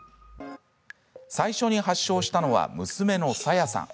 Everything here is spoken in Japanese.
最初に発症したのは娘のさやさん。